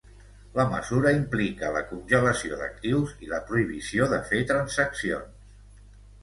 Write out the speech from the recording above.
La mesura implica la congelació d’actius i la prohibició de fer transaccions.